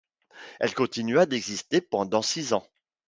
Elle continua d’exister pendant six ans.